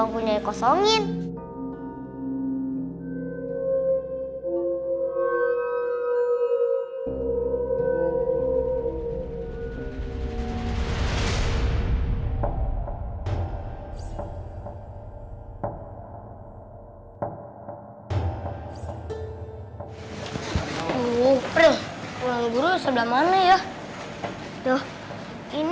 kenapa bangkunya dikosongin